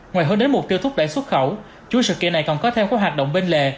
ngoài hơn đến mục tiêu thúc đẩy xuất khẩu chuỗi sự kiện này còn có theo các hoạt động bên lề